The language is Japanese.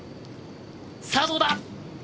さぁどうだ。